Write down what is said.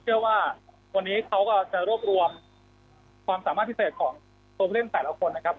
เชื่อว่าวันนี้เขาก็จะรวบรวมความสามารถพิเศษของตัวผู้เล่นแต่ละคนนะครับ